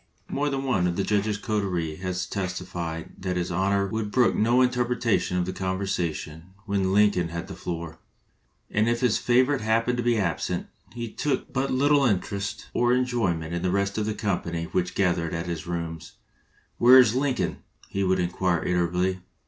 More than one of the judge's coterie has testified that his Honor would brook no interruption of the conversation when Lincoln had the floor; and if his favorite happened to be absent, he took but little interest or enjoyment in the rest of the company which gathered at his rooms. "Where 's Lincoln?" he would inquire irritably.